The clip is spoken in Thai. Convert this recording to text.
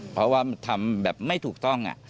เพราะว่าทำแบบไม่ถูกต้อง